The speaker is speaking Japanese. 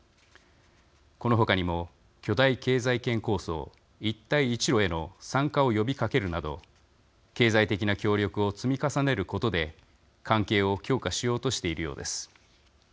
このほかにも巨大経済圏構想一帯一路への参加を呼びかけるなど経済的な協力を積み重ねることで関係を強化しようとしているようです。